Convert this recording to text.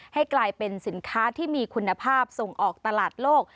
ให้กลายเป็นสินค้าที่มีคุณภาพส่งออกตลาดโลก